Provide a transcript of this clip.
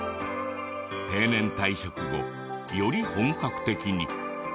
定年退職後より本格的に。